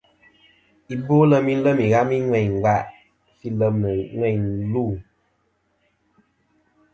Ibolem ilem ìghami ŋweyn ngva fi lem nɨ lu'.